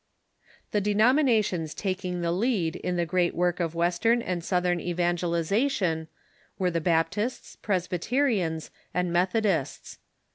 The denominations taking the lead in the great work of Western and Southern evangelization were the Baptists, Pres byterians, and Methodists.